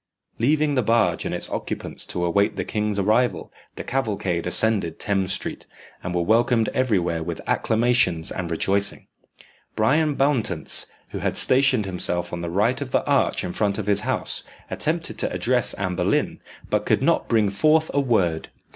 Leaving the barge and its occupants to await the king's arrival, the cavalcade ascended Thames Street, and were welcomed everywhere with acclamations and rejoicing. Bryan Bowntance, who had stationed himself on the right of the arch in front of his house, attempted to address Anne Boleyn, but could not bring forth a word.